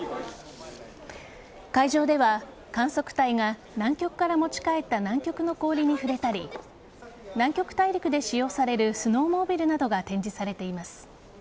会場では観測隊が南極から持ち帰った南極の氷に触れたり南極大陸で使用されるスノーモービルなどが展示されています。